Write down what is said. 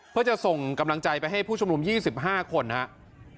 เพื่อจะส่งกำลังใจไปให้ผู้ชุมนุม๒๕คนครับ